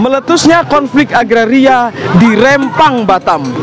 meletusnya konflik agraria di rempang batam